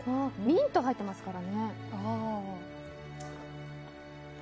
ミント入ってますからね。